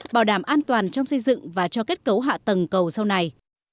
bảo đảm an toàn trong xây dựng và cho kết cấu hạ tầng cầu sau này